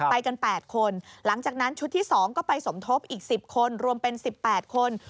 ไปกัน๘คนหลังจากนั้นชุดที่๒ก็ไปสมทบอีก๑๐คนรวมเป็น๑๘คน